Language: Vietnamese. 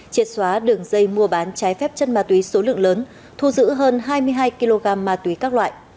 triệt xóa đường dây mua bán trái phép chân ma túy số lượng lớn thu giữ hơn hai mươi hai kg ma túy các loại